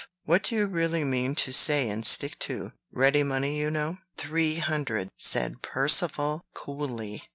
What do you really mean to say and stick to? Ready money, you know." "Three hundred," said Percivale coolly.